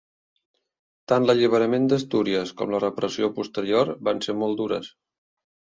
Tant l'alliberament d'Astúries com la repressió posterior van ser molt dures.